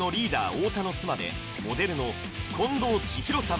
太田の妻でモデルの近藤千尋さん